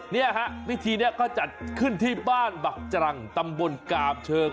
เนี่ยฮะพิธีนี้เขาจัดขึ้นที่บ้านบักจังตำบลกาบเชิง